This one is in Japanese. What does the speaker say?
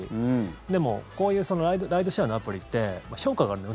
でも、こういうライドシェアのアプリって評価があるんです。